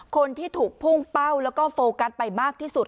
คนที่ถูกพุ่งเป้าแล้วก็โฟกัสไปมากที่สุด